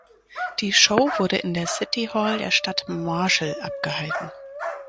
Die Show wurde in der City Hall der Stadt Marshall abgehalten.